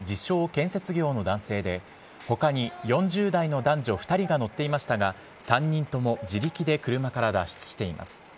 建設業の男性で、ほかに４０代の男女２人が乗っていましたが、３人とも自力で車から脱出しています。